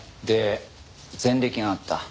で前歴があった。